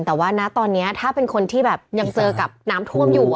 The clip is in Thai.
แต่ว่านะตอนนี้ถ้าเป็นคนที่แบบยังเจอกับน้ำท่วมอยู่